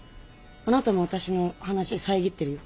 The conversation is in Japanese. あなたも私の話遮ってるよ。